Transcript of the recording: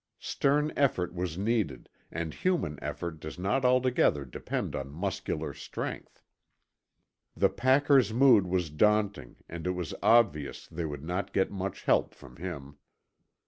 Stern effort was needed and human effort does not altogether depend on muscular strength. The packer's mood was daunting and it was obvious they would not get much help from him.